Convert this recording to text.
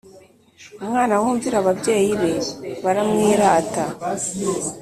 umwana wumvira ababyeyi be baramwirata